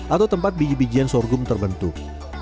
atau tempat biji bijian sorghum terbentuk